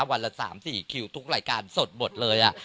วันละสามสี่คิวทุกรายการสดหมดเลยอ่ะ